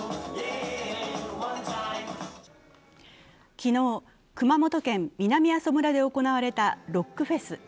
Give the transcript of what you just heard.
昨日、熊本県南阿蘇村で行われたロックフェス。